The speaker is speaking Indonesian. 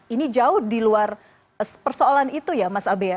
ini jauh di luar persoalan itu ya mas abe ya